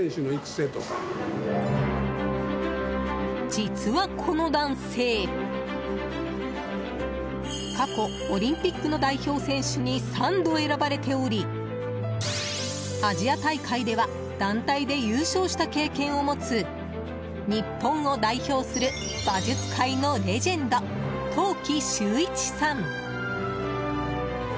実はこの男性過去オリンピックの代表選手に３度、選ばれておりアジア大会では団体で優勝した経験を持つ日本を代表する馬術界のレジェンド陶器修一さん。